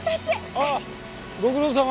あっご苦労さま。